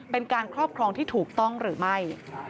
เป็นการครอบครองที่ถูกต้องหรือไม่